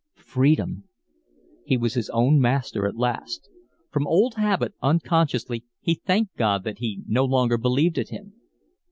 Freedom! He was his own master at last. From old habit, unconsciously he thanked God that he no longer believed in Him.